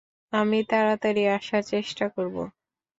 আমি তাড়াতাড়ি আসার চেষ্টা করব।